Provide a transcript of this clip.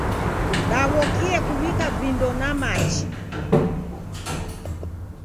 Daw'okie kuw'ika vindo na machi.